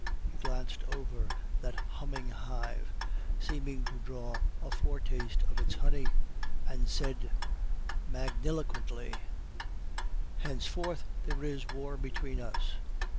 He glanced over that humming hive, seeming to draw a foretaste of its honey, and said magniloquently: "Henceforth there is war between us."